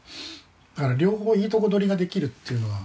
だから両方いいとこ取りができるっていうのは。